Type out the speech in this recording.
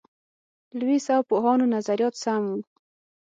لویس او پوهانو نظریات سم وو.